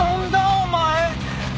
お前！